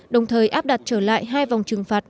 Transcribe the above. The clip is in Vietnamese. đồng thời áp đặt trở lại hai vòng trừng phạt